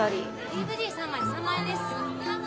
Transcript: ＤＶＤ３枚３万円です。